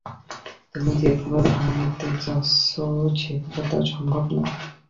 তুমি যেভাবে ভাঙতে চাচ্ছ সেভাবে তা সম্ভব নয়।